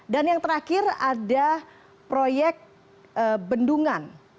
dan yang terakhir ada proyek bendungan